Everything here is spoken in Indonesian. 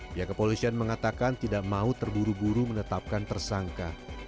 pihak kepolisian mengatakan tidak mau terburu buru menetapkan tersangka